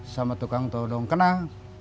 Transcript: sama tukang todong kenal